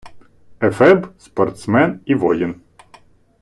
Ефеб - спортсмен і воїн